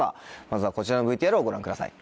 まずはこちらの ＶＴＲ をご覧ください。